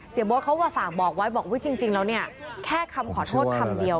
เสียบทเขาว่าฝากบอกไว้บอกว่าจริงแล้วแค่คำขอโทษคำเดียว